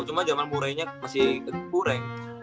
cuma zaman murray nya masih ke murray